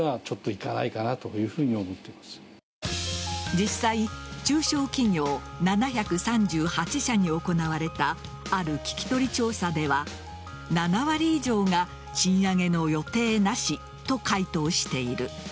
実際中小企業７３８社に行われたある聞き取り調査では７割以上が賃上げの予定なしと回答している。